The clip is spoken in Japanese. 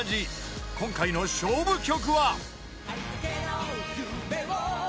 ［今回の勝負曲は］